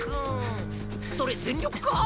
それ全力か？